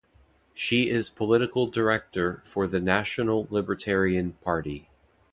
She is Political Director for the national Libertarian Party.